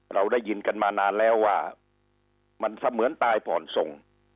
เราได้ยินกันมานานแล้วว่ามันเสมือนตายผ่อนส่ง